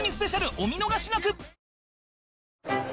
お見逃しなく！